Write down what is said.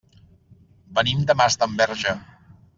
Venim de Masdenverge.